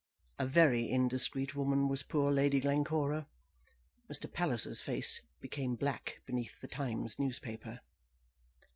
A very indiscreet woman was poor Lady Glencora. Mr. Palliser's face became black beneath The Times newspaper.